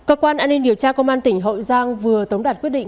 cơ quan an ninh điều tra công an tỉnh hậu giang vừa tống đạt quyết định